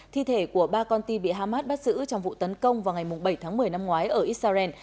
thi thể của ba con tin bị hamas bắt giữ trong vụ tấn công vào ngày bảy tháng một mươi năm ngoái ở israel